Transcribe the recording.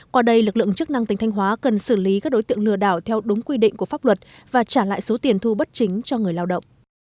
qua đây lực lượng chức năng tỉnh thanh hóa cần xử lý các đối tượng lừa đảo theo đúng quy định của pháp luật và trả lại số tiền thu bất chính cho người lao động